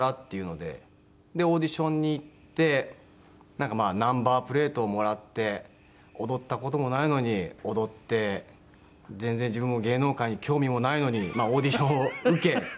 でオーディションに行ってナンバープレートをもらって踊った事もないのに踊って全然自分も芸能界に興味もないのにまあオーディションを受け。